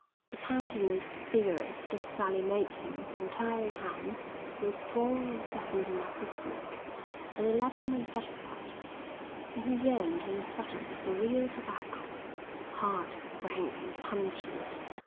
'" "The pandanus cigarettes that Sally made him with untiring hands were strong and pleasant enough to smoke, but they left him unsatisfied; and he yearned on a sudden for real tobacco, hard, rank, and pungent.